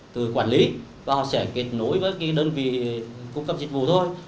từ quản lý và họ sẽ kết nối với cái đơn vị cung cấp dịch vụ thôi